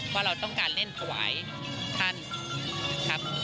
ว่าเราต้องการเล่นถวายท่านครับ